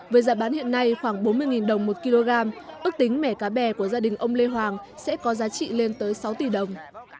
với giá bán hiện nay khoảng bốn mươi đồng một kg ước tính mẻ cá bè của gia đình ông lê hoàng sẽ có giá trị lên tới sáu tỷ đồng